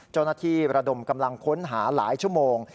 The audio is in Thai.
เจ้าหน้าที่ประดมกำลังค้นหาหลายชั่วโมง